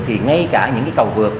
thì ngay cả những cái cầu vượt